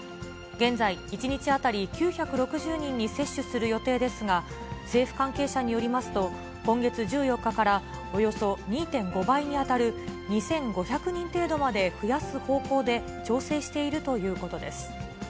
現在、１日当たり９６０人に接種する予定ですが、政府関係者によりますと、今月１４日からおよそ２．５倍に当たる、２５００人程度まで増やす方向で調整しているということです。